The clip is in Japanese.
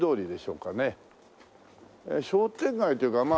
商店街というかまあ